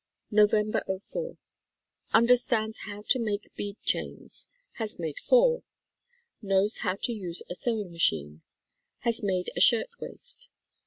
Nov. '04. Understands how to make bead chains. Has made four. Knows how to use a sew ing machine. Has made a shirtwaist.